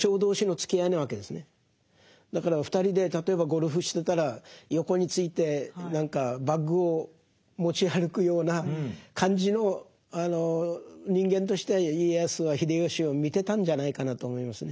だから２人で例えばゴルフしてたら横について何かバッグを持ち歩くような感じの人間として家康は秀吉を見てたんじゃないかなと思いますね。